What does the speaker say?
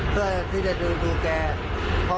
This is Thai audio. เพื่อที่จะดึงดูเขา